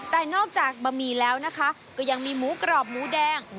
แต่นอกจากบะหมี่แล้วนะคะก็ยังมีหมูกรอบหมูแดง